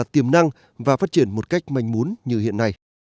tiềm năng và phát triển một cách manh mún như hiện nay